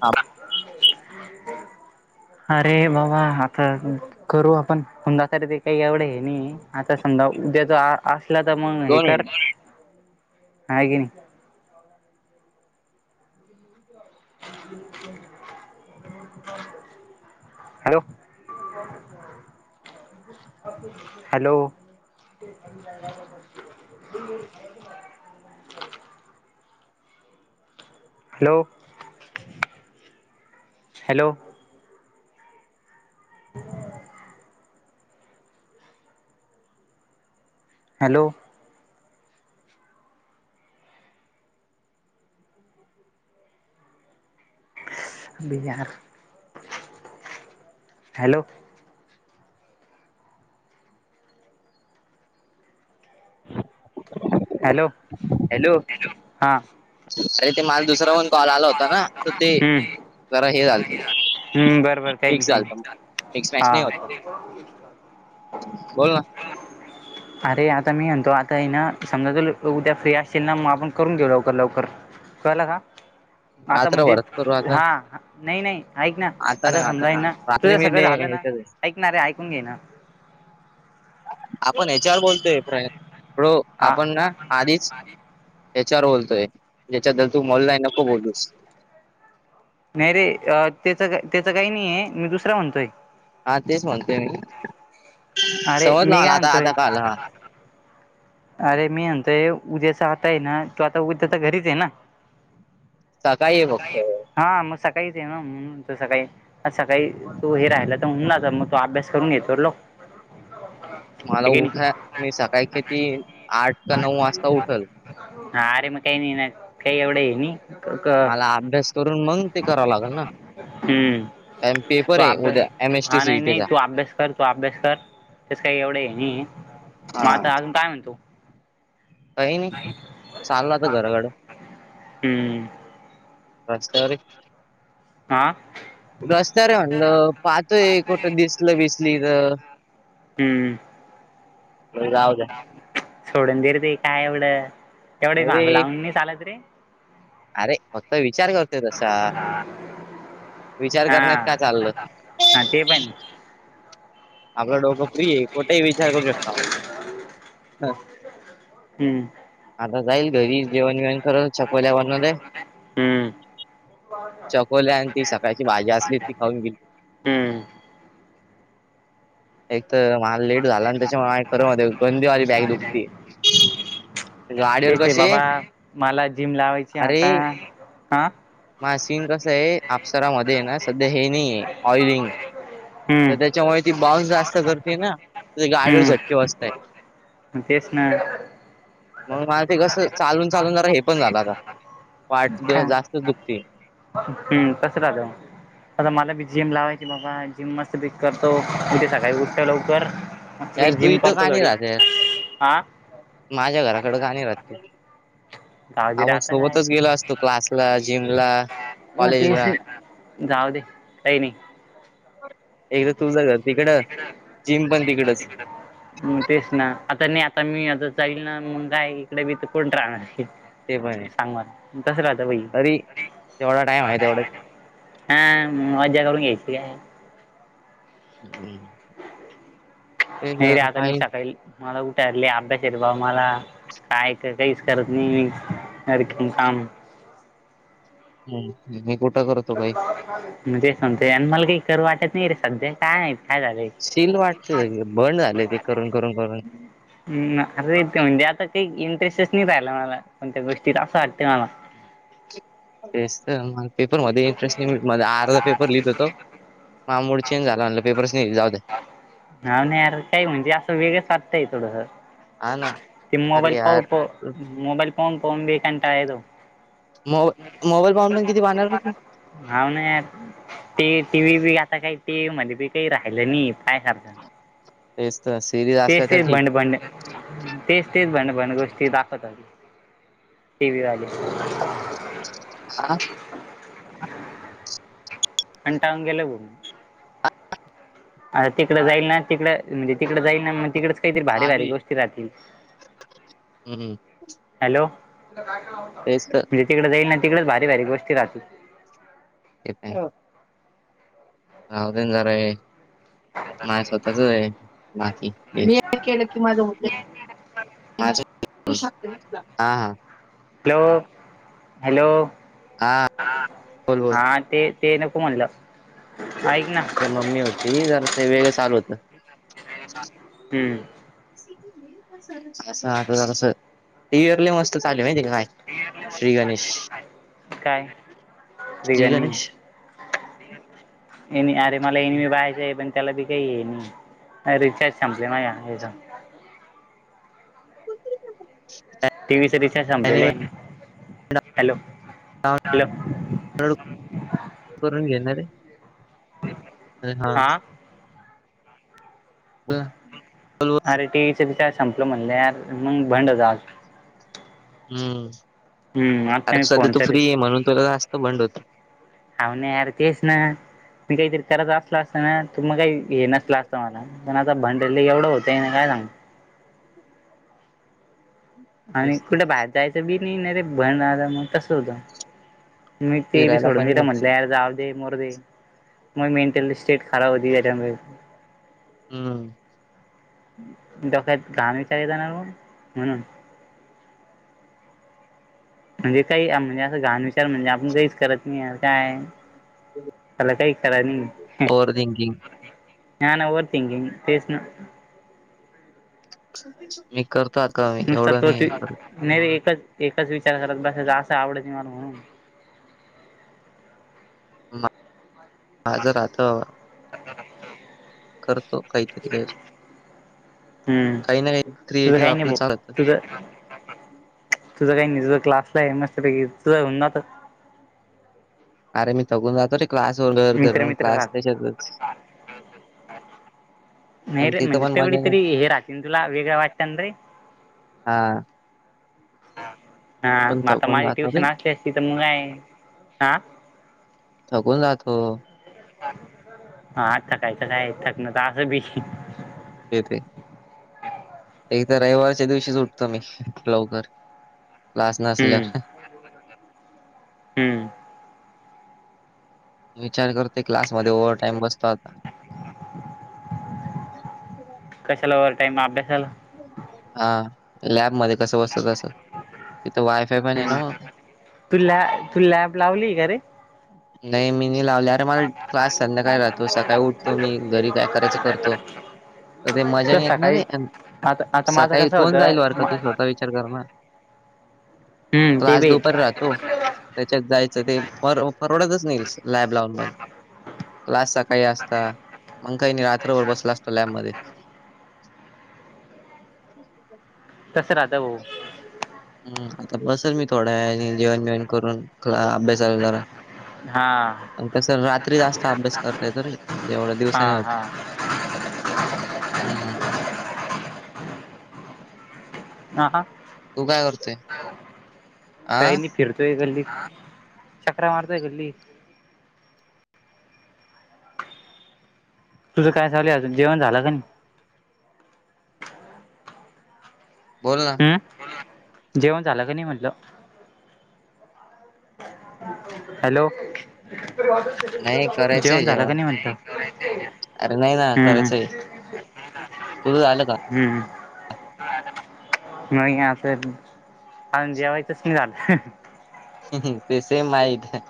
ह. अरे बाबा आता करू आपणख ते काही एवढे आहे नाही आता समजा उद्या जो आ. असला तर मग हे दोन कर मिनिट आहे की नाही. हो. [inaudible] Hello. Hello. [inaudible] Hello hello. [inaudible] Hello. Bihar hello. Hello. Hello हां अरे ते मला दुसराहन कॉल आला होता ना त ते हम्म जरा हे झालं हम्म बरोबर काही नाही मिक्स काही झालं नाही. मिक्स मॅच हा. नाही होत बोल ना. ह. अरे आता मी म्हणतो आता ना समजा तु उद्या फ्री असतीलल ना मग आपण करून घेऊ लवकर लवकर कळलं का आता म्हणजे रात्रभर करू आता हा नाही नाही. ऐक ना आता नाही समजाई नाही. ना तुझ रात्री मी सगळं डे झालं ना ह्याच्यात आहे. ऐकणारे ऐकून घे ना. आपण हच्यावर बोलतोय प्रय हा आपण ना आधीच त्याच्यावर बोलतोय त्या्याच्या तू बोललाय नको बोलूस नाही रे त्याच का त्याच काही नाही आहे मी दुसरा म्हणतोय. हा तेच म्हणतेोय मी अरे समज न मी आला काय आता म्हणतोय आता काल हा. अरे मी म्हणतोय उद्याचा आताय ना तो आता उद्या तर घरीच आहे ना. काय आहे फक्त हा मग सकाळीच आहे ना म्हणून सकाळी असं काही तू हे राहिला तरन मग तो अभ्यास करून घेतो लोक. मला उठा मी सकाळ खेती आठ का नऊ वाजता उठल. अरे मग काही नाही काही एवढं आहे नाही. मला अभ्यास करून मग ते करावं लागेल ना. कारण हम्म पेपर तू आहे उद्या एम अभ्यास एस टी हा नाही नाही सीईटीचा तू अभ्यास कर तू अभ्यास कर तस काय एवढं नाही मग हा. आता अजून काय म्हणतो काही नाही चाललं आता घराकड हम्म रस्त्यावरर हे आह रस्त्यावर हाय म्हणलं पाहतोय कुठं दिसल बीसली तर हम्म जाऊद्या सोडून दे रे काय एवढं एवढे नाही मागू रे लावून नाही चालत रे अरे फक्त विचार करतो तसा विचार हा करण्यात का चालल हा ते पण आपलं डोकं फ्री आहे कुठेही विचार करू शकतावं हम्म आता जाईल घरी जेवण बिवण करत चकोल्या बनवलंय हम्म चकोले आणि ती सकाळची भाजी असली ती खाऊन गेली हम्म एक तर मला लेट झाला आणि त्याच्यामुळे माझ खरं होते गंदीवाली बॅक दुखती ते ते बाबा मला जिम लावायची आता ह माझी चीन कसं आहे अप्सरामध्ये हे ना सध्या हे नाही आहे ऑइलिंग तर त्याच्यामुळे ती बाउन्स जास्त करते ना तर ते [unintelligible] गाडीवर झटके बसताय हम् मग मला ते कस चालून चालून जरा हे पण झालं आता पाट का जास्तच दुखते हम्म कस राहत आता मला बी जेम लावायची बाबा जिम मस्त पैकी करतो उद्या सकाळी उठत लवकर मस्त यार तू जिम इथं का करतो नाही थोडी राहत यार हा माझ्या घराकडं गाणी राहतो [unintelligible] दाजी राहत काय असतो क्लासला जिमला मग कॉलेजला त्यासनी जाऊ दे काही नाही एकदा तुझ तिकड जिम पण तिकडच म तेच ना आता नाही आता मी आता जाईल ना मग काय इकडे बी तर कोण राहणार पण आहे ते सांग म कस राहत बई तरी जेवढा टाइम आहे तेवढा हा मज्या करून घ्यायची काय हम्म ते नाही रे जरा आता मी पाहि सकाळी मला उठले अभ्यासेत बा मला काय का काहीच करत नाही मी रेखीव काम ह मी कुठं करतो काही मग ते सांगतेय आणि मला काही करू वाटत नाही रे सध्या काय काय झालंय शील वाटते बद झालय ते करून करून करून अरे ते म्हणजे आता काही इंटरेस्टच नाही राहिला मला कोणत्या गोष्टीत असं वाटतं मला तेच तर मग पेपरमध्ये इंटरेस्ट नाही माझा अर्धा पेपर लिहित होतो माझा मूड चेन्ज झाला म्हलं पेपर्स नाही जाऊत नाव नाही तर काही म्हणजे असं वेगलच वाटतंय थोडंसं हा ना ते मोबाईल अरे पाहून यार पाहून मोबाईल पाहून बि कंटाळलो मोबा मोबाईल पाहून पण किती बांणारल तु हा नाही ते टी व्ही बी आता काही ते मध्ये बी काही राहिलं नाहीत तेच तर सिरीज असल्या तेच तर तेच ठीक भंड भंड तेच तेच भंड भंड गोष्टी दाखवतात टी व्ही वाले आ कंटाळून गेलोय बघ आ तिकडं जाईल ना तिकडं म्हणजे तिकडं जाईल ना मग तिकडडेच काहीत भारी चालू भारी आहे गोष्टी राहतील हम्म हॅलो तेच तर तिकडे जाईल ना तिकडेच भारी गोष्ट राहतील ते रावदन जरा आहे माय स्वतःच आहे माफी. केलं की माझ तु हॅलो हॅलो हा बोल बोल हा ते ते नको म्हणलं ऐक ना ते मम्मी होती जरा ते वेगळं चालू होतं [inaudible] हम्म अस आता झा इयरली मस्त चालू माहिती का काय? श्री गणेश काय श्री बिघाणी गणेश ए अरे मला एन मी वहायच आहे पण त्याला बी काही आहे रिचार्ज संपले ना या या [unintelligible] ु टी व्ही चे रिचार्ज संपलेलं आहे हॅलो हॅलो करून घेणार रे हा बरं अरे टीव्हीच रिचार्ज संपल म्हणलेर मग भंड जा हम्म हम्म आता मी कारक सध्या फोन तू तरी फ्री आहे म्हणून तुला जास्त बंड होत हा नाही यार तेच ना मी काहीतरी करायत असला असता ना तू मग काही येणच ला असतं मला पण आता भांडला एवढं होतं नाही काय सांग आणि तेच तर कुठे बाहेर जायचं बी नाही ना रे भणला मग तसं होतं मी ते बी फिरायला सोडून दि पण र म्हटलंर जा मरू दे मग मेंटल स्टेट खराब होती हम्म डोक्यात घाण विचारले येतात ना ओ म्हणून म्हणजे काही म्हणजे असं घाण विचार म्हणजे आपण काहीच करत नाही काय मला काही करा नाही ओव्हर थिंकिंग नाही ना ओवर थिंकिग तेसन मी कर नुसता तोच नाही रे एकच एकच विचार करत बस असं आवड मला म्हणून माझ आस ह हा ह हा करतो काहीतरी हम्म काही ना काही तुझ क्रिएटिव्ह राहीगे आपलं चालत भाऊतुझ तुझं काही नाही तुझा क्लासला आहे मस्तपैकी तुझं होऊन ना अरे मी थकून न जातो रे क्लास वर मित्र घर मित्र क्लास राहत त्याच्यातच पण नाही तिथं म्हणजे पण तेवढी मजा नाही तरी हे रान तुला वेगळं वाटत ना रे हा हा पण मग आता थकून माझी जातो रे ट्युशन असली असली असती त तर मग आहे हा थकून जातो हा आज थकायचं काय क ना तर असं बी ते ते एक तर रविवारच्या दिवशी उटतो मी लवकर क्लास हम्म नसल्यावर हम्म विचार करते क्लासमध्ये ओव्हर टाईम बसतो आता कशाला व टाईम अभ्यासाला हा लॅब मध्ये कसं बसत तस तिथं वायफाय पण आहे हम्म ना मग तू लॅ तू लॅब लावली कारे? नाही मी नाही लावले अरे मला क्लास संध्याकाळी राहतो सकाळी उठतो मी घरी काय करायचं करतो. ते मजा तुला नाही येतणार सकाळी रे? आता आता माझं सकाळी कसं कोण जाईल होतं वार का तू स्वतः विचार कर ना. हम्म ते क्लास बी ये. दुपारी राहतो त्याच्यात जायचं ते पर परवडतच नाही तसं. लॅब लावून मण क्लास सकाळी असता मग काही रात्रभर बसला असतो लॅबमध्ये तसं राहत भाऊ. हम् आता बसेल मी थोड्या वेळानी जेवणे बीवण करून अभ्यासाला जरा. हा तस रात्री जास्त अभ्यास करता येतो रे जेवढ्या हा दिवसानी होत हा [inaudible] हम्म ह हा. तू काय करतोय? आ काही फिरतोय गल्लीत चकऱ्या मारतोय गल्लीत. तुझं काय झालंय अजून जेवन झालं का नाही? बोल ना ह जेवण झालं का नाही म्हटलं? हॅलो नाही करायचंय जेवण झालं का जेवण नाही म्हणत अरे नाही ना हम्म हम्म. करायचंय तुझं झालं का? हम्म म नाही अ जेवायचंच नाही झालं. ते सेम माया इथ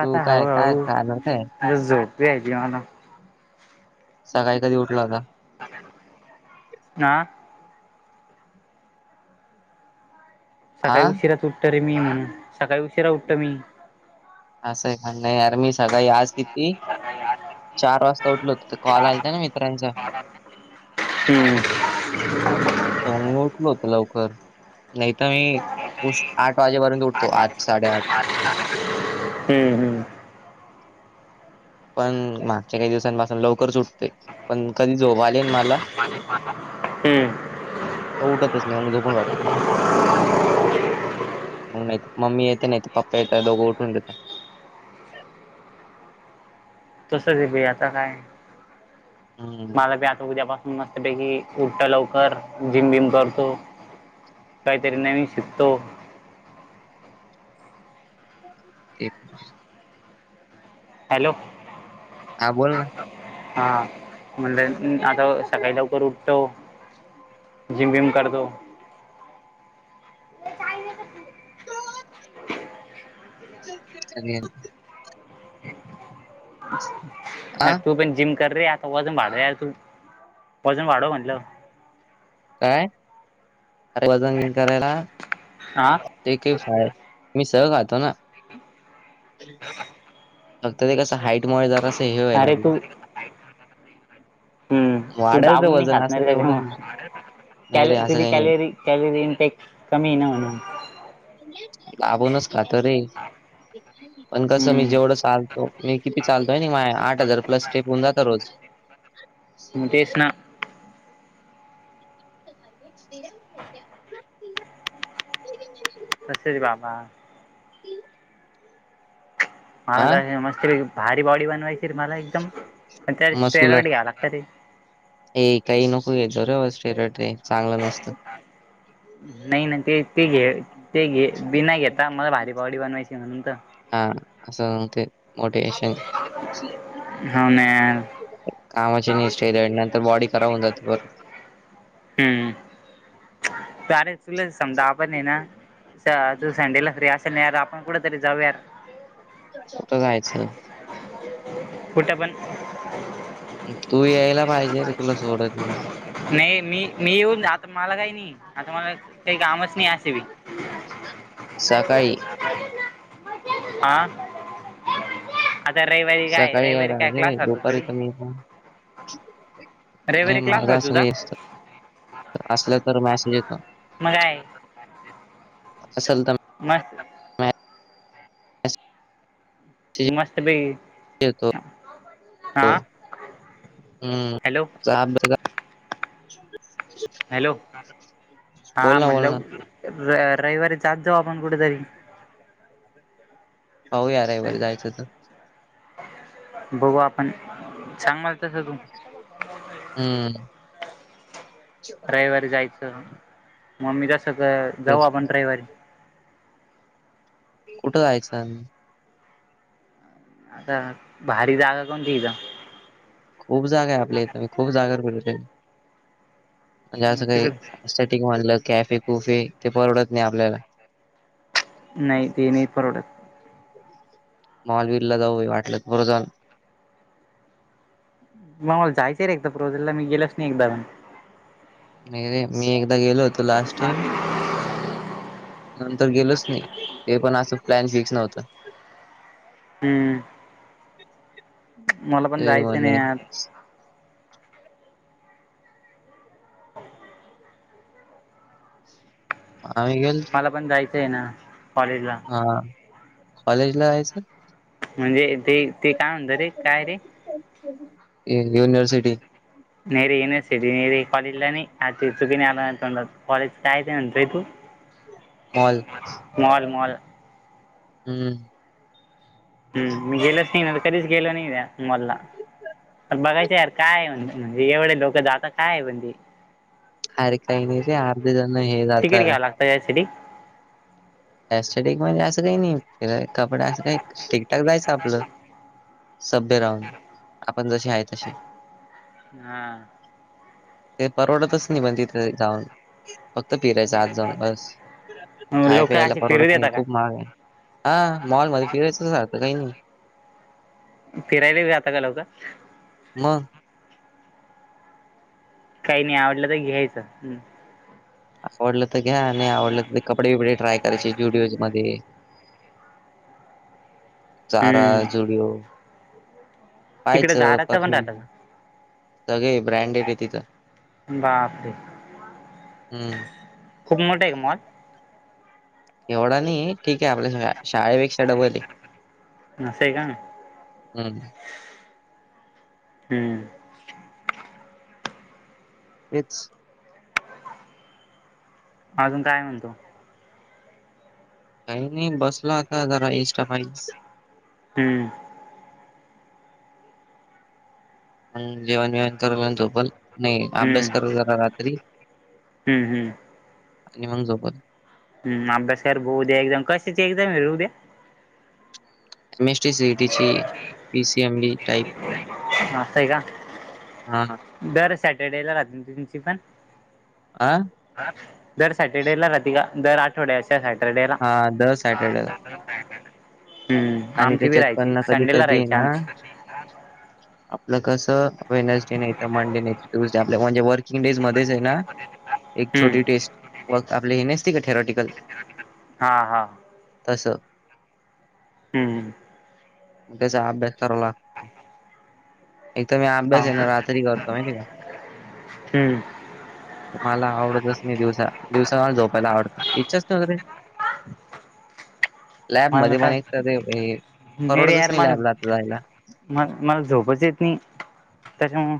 तू काय हहू काय हहू खाणार काय म्हण झोपय त मला. सकाळी कधी उठला होता. आ हा सकाळी उशीराच उठत रे मी म्हणून सकाळी उशिरा उठत मी. असंही काण नाही आर मी सकाळी आज किती चार वाजता उठलो होत ते कॉल आलता ना मित्रांचा. हम्म मी उठलो होत लवकर नाही तर मी आठ वाजेपर्यंत उठतो आठ साडेआठ [inaudible] हम्म हम्म पण मागच्या काही दिवसांपासून लवकर सुटते पण कधी झोप आले न मला [inaudible] उठतच नाही झोपून राहतो. मग नाही मम्मी येते नाही त पप्पा येत दोघं उठून घेतात. तसंच आहे भई आता काय? हम्म मला पी आता उद्यापासून मस्त पैकी उठत लवकर जिम बिम करतो. काहीतरी नवीन शिकतो. ते हॅलो हा बोल ना हा म्हणलं आता सकाळी लवकर उठतो. जिम विम करतो. [inaudible] [unintelligible] अ हा तू पण जिम कर रे आता वजन वाढव यार तू वजन वाढव म्हटलं. काय वजन करायला हा ते काही फाय मी सह खातो ना फक्त ते कसं हाईटमुळे जरास हे व्हायलाला नाही का हम्म तू वाढेल रे दाबून नाही वजन खातणार असं का एवढं नाही कॅल रे असं तुझी काही नाही. कॅलोरी त्यावे इनपेक कमी नाही म्हणार लाबूनच का तर रे पण कसं मी हम्म. जेवढं चाल त मी किती चालतोय मा आठ हजार प्लस टेप होऊ जात रोज म तेच ना अे शिरमत्या तसेच बाबा मला हा तर मस्त भारी बॉडी बनवायची मला एकदमण त्या स्टेरट मस्कुलर घ्या लागत ते ए काही नको घेतो रे बाेरटे चांगलं नसतं नाही नाही ते ते घे ते घे बी नाही घेता मला भारी पावडी बनवायची म्हणून तर हा असं म्हते मोटिशन हन कामाची निष आणि नंतर बॉडी खराब होन जाते हम्म सरेच तुला समजा आपण ये ना तू संडेला फ्री असेल नाही यार आपण कुठ तरी जाऊयार होत जायचं उठपन तू यायला पाहिजे रे तुला सोडत नाही मी मी येऊन आता मला काही नाही आता मला काही कामच नाही असेवी सकाळी हा आता रविवारी काय ार रविवारी काय आहेज ना क्लास राहतो दुपारी थोडी तर म नाही रविवारी क्लास माझा राहतो असं तुझा काही असत असलं तर मॅसेज येत मग काय असल तर मस् मेसेज मस्त भ हो हम् हॅलो साब का हॅलो हा बोल ना बोल म्हणलं ना रयवर जाात जाऊ आपण कुठेतरी हो यार आहे बर जायचं तर बघू आपण चांग म तस तू हम्म रविवारी जायचं मग मी जस जाऊ तेच आपण रविवारी कुठं जायचं आता भारी जागा कोणतीथ खूप जागा आहे आपल्या इथ म खूप जागा म्हणजे मग असं तिकड काहीट म्हणलं कॅफे कुफे ते परडत नाही आपल्याला नाही दे नाही प्रोडक्ट मॉल विल ला जाऊ वाटलं पुरं जाऊन मग मला जायचं आहे र एक तर प्रोजलला मी गेलच नाही एकदाण नाही रे मी एकदा गेलो होतो लास्ट टाईम नंतर गेलोच नाही ते पण असं प्लॅन फिक्स नव्हतं हम्म मला पण ते जायचं नाही म्हणे आ आम्ही गेल मला पण जायचं आहे ना कॉलेज ला हा कॉलेज ला यायचं म्हणजे ते ते काय म्हणत रे, काय रे? [unintelligible] युनिवर्सिटी नाही रे युनिव्हर्सिटी नेरीे कॉलेजला नाही आ चुकीने आला तोंडात. कॉलेज काय ते म्हणतोय तू? [inaudible] मॉल. मॉल. मॉल. हम्म. हम्म मी गेलच नाही ना. कधीच गेल नाही त्या मॉलला. बघायचं यार काय म्हण म्हणजे, एवढे लोक जात काय हाय म्हणजे? अरे काही नाही रे. अर्धे जण हे जात [unintelligible] [unintelligible] क म्हणजे असं काही नाही कपडे असं काही ठीकठाक जायचं आपलं. सभ्य राहून. आपण जसे आहे तसे. हा. ते परवडतच नाही पण तिथं जाऊन. फक्त फिरायचं. आज जाऊन बस. खाय, लोक प्यायला असे फिरू परवडत नाही. देता का खूप महाग आहे. हा. मॉल मध्ये फिरायचं सारखं काही नाही. फिरायला जात का लोक? मग. काही नाही आवडलं तर घ्यायचं. आवडलं तर घ्या आणि आवडलं तर कपडे बिपडे ट्राय करायचे जुडिओज मध्ये. चारा, हम्म जुडीओ. तिकडे पायचं झाडाचं पण परफ्युम. राहतं का सगळे ब्रँड येते तिथं. बापरे! हम्म. खूप मोठा हेका मॉल? एवढा नाही. ठीक आहे. आपल्या शाळे शडवले. असं आहे का हम्. हम्म. हेच. अजून काय म्हणतो? काही नाही बसला आता होता एस्ट्रा [unintelligible] हम्म. हम. जीवुन येवुन. थोड्या वेळानं झोपण. नाही हम्म अभ्यास करत जरा रात्री - - हम्म हम्म आणि मग झोपण. हम्. अभ्यास कर बु उद्या एक्झाम कशाची एक्झाम हाय ऊद्या? एम एसटी सीटी ची. P CM B type. [unintelligible] म असं हाय का? हा दर सॅटर्डेला राहते तुमची पण? आं. जर सॅटर्डे ला राती का? दर आठवड्या त्या सॅटर्डेला हा दर सॅटर्डेला [unintelligible] हम्. आणि आमची बी त्याच्यात पण राहायची. ना कधी संडेला कधी आहे राहायची ना आमची. आपलं कसं वेनसडे नाहीत, मंडे नाही त, ट्युजडे आपल्या म्हणजे वर् - - [unintelligible] डेज मध्येच हेना, एक हम्म छोटी टेस्ट व आपले हे नसते का थेरॉटिकल? हां. हा. तसं. हम् हं. त्याचा अभ्यास करावा ला - - एक तर मी आप हा बस ना राात्री करतोम का हम्म मला आवडतच नाही दिवसा दिवसा झोपायला आवडत इच्छाच नवे लॅब मला मध्ये पण का एक तर ते रे परवडतच यार नाही लॅब मला लात जायला म मला झोपच येत नाही त्याच्यामु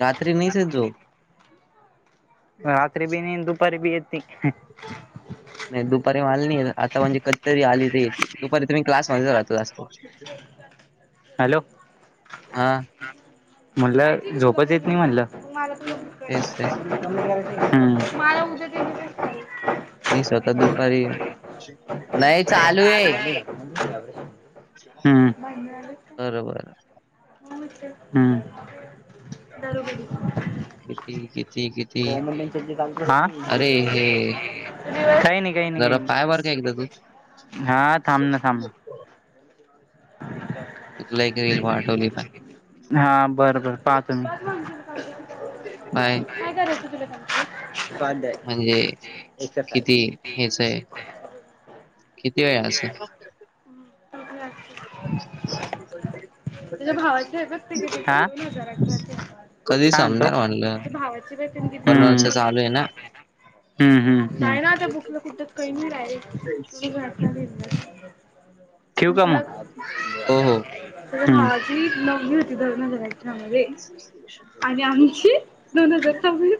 रात्री नाही स जो रात्री बी नाही दुपारी बी येत नाही दुपारी मली नाही आता म्हणजे कत्तरी आलीच येती दुपारी तुम्ही क्लासमध्येध्येच राहतो जास्तो हॅलो म्हटलं झोपत येत नाही म्हणलं तेच तेच मला उद्या मी स्वतः दुपारी नाही चालू आहे [unintelligible] हम्म बरोबर हम् किती किती किती हो म्ह अरे हे काय नाही काही नाही काही जरा पाय बर का एकदा तू नाही हा थांब ना थांब ना एकक रेलठवली पण हा बरं बर पाहतो मी पाय कंप्लीट म्हणजे एक्सरसाइज किती हेच आहे किती आहे अस प आहे बघ ते कितीचे दोन हजाराचे ब काय म्हणतो बनवायचं चालू आहे ना नाही ना आता बुकला खुद् कमी रा आहेल घ ठेव का मग हो हो माझी नव होती द आणि आमची दोन हजार चौवी